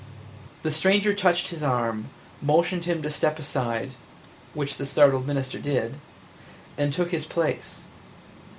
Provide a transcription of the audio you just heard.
The stranger touched his arm, motioned him to step aside – which the startled minister did – and took his place.